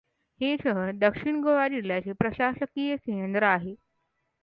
हे शहर दक्षिण गोवा जिल्ह्याचे प्रशासकीय केंद्र आहे.